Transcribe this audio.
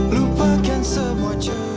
lupa kan semua cerita